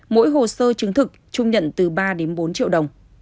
mỗi hồ sơ chứng thực trung nhận từ ba đến bốn triệu đồng